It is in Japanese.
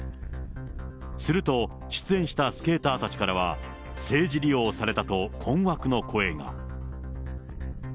すると、出演したスケーターたちからは、政治利用されたと困惑の声が。